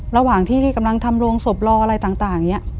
ระหว่างที่กำลังทำโรงศพรออะไรต่างอย่างนี้